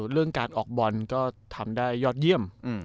เรื่องการออกบอลก็ทำได้ยอดเยี่ยม